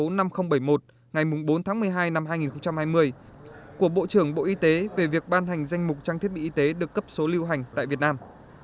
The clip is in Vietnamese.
công ty cổ phần công nghệ việt á tại quyết định số năm nghìn bảy mươi một ngày bốn tháng một mươi hai năm hai nghìn hai mươi của bộ trưởng bộ y tế về việc ban hành danh mục trang thiết bị y tế được cấp số lưu hành tại việt nam